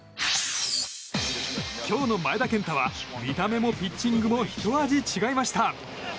今日の前田健太は見た目もピッチングもひと味違いました。